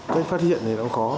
cách phát hiện thì nó khó